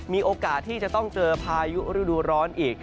มีโอกาสที่จะต้องเจอพายุฤดูร้อนอีก